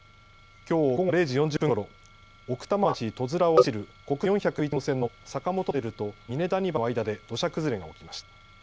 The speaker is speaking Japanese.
きょう午後０時４０分ごろ、奥多摩町留浦を走る国道４１１号線の坂本トンネルと峰谷橋の間で土砂崩れが起きました。